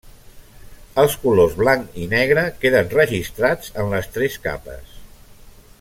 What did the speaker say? Els colors blanc i negre queden registrats en les tres capes.